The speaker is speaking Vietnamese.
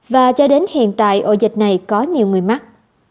và cho đến hiện tại ổ dịch này có nhiều người mắc